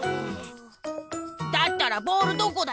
だったらボールどこだよ？